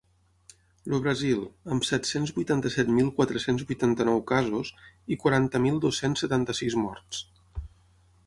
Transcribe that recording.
El Brasil, amb set-cents vuitanta-set mil quatre-cents vuitanta-nou casos i quaranta mil dos-cents setanta-sis morts.